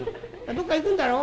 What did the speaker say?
「どっか行くんだろ？」。